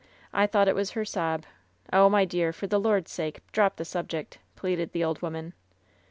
I thought it was her sob. Oh, my dear, for the Lord's sake, drop the subject," pleaded the old woman.